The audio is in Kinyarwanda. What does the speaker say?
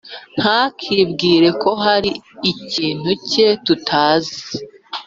ntakibwire ko hari ikintu cye tutazi